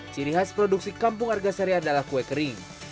ciri khas produksi kampung argasari adalah kue kering